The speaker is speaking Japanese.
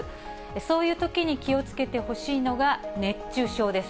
そういうときに気をつけてほしいのが、熱中症です。